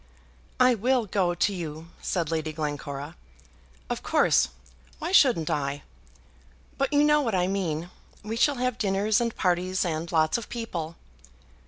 "I will go to you," said Lady Glencora, "of course, why shouldn't I? But you know what I mean. We shall have dinners and parties and lots of people."